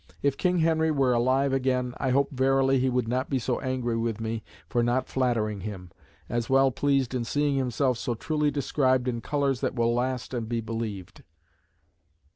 If King Henry were alive again, I hope verily he would not be so angry with me for not flattering him, as well pleased in seeing himself so truly described in colours that will last and be believed."